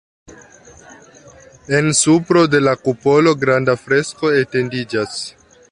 En supro de la kupolo granda fresko etendiĝas.